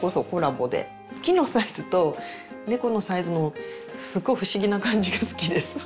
木のサイズと猫のサイズのすっごい不思議な感じが好きです。